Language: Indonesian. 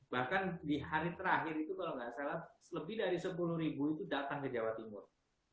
bahkan di hari terakhir itu kalau nggak salah lebih dari sepuluh ribu itu datang ke jawa timur